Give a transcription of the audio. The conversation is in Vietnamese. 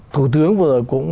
thủ tướng vừa rồi cũng